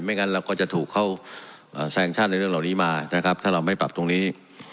งั้นเราก็จะถูกเข้าแซงชั่นในเรื่องเหล่านี้มานะครับถ้าเราไม่ปรับตรงนี้